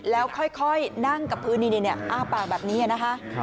แล้วค่อยนั่งกับพื้นนี่อ้าปากแบบนี้นะคะ